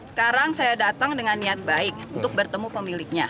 sekarang saya datang dengan niat baik untuk bertemu pemiliknya